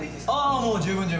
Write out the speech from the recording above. あもう十分十分！